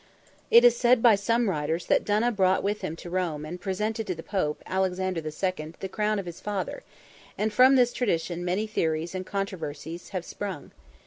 It is said by some writers that Donogh brought with him to Rome and presented to the Pope, Alexander II., the crown of his father—and from this tradition many theories and controversies have sprung.